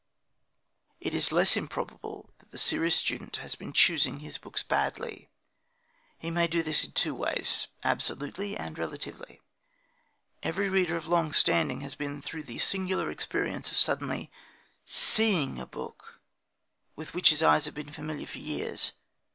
It is less improbable that the serious student has been choosing his books badly. He may do this in two ways absolutely and relatively. Every reader of long standing has been through the singular experience of suddenly seeing a book with which his eyes have been familiar for years.